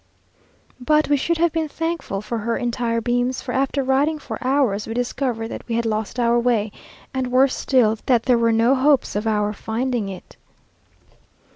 But we should have been thankful for her entire beams, for after riding for hours we discovered that we had lost our way, and worse still, that there were no hopes of our finding it.